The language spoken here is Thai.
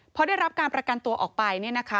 พอได้รับการประกันตัวออกไปเนี่ยนะคะ